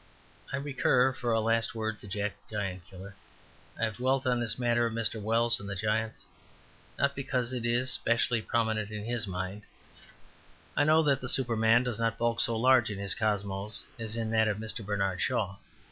I recur for a last word to Jack the Giant Killer. I have dwelt on this matter of Mr. Wells and the giants, not because it is specially prominent in his mind; I know that the Superman does not bulk so large in his cosmos as in that of Mr. Bernard Shaw.